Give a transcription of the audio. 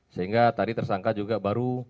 sehingga tadi tersangka juga baru